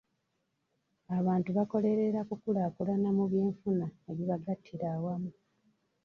Abantu bakolerera kukulaakulana mu byenfuna ebibagattira awamu.